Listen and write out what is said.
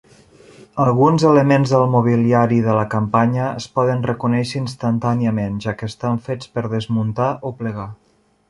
Alguns elements del mobiliari de la campanya es poden reconèixer instantàniament, ja que estan fets per desmuntar o plegar.